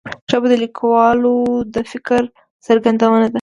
ژبه د لیکوال د فکر څرګندونه ده